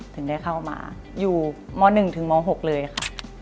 ถึงได้เข้ามาอยู่ม๑ถึงม๖เลยค่ะ